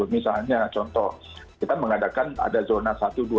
misalnya contoh kita mengadakan ada zona satu dua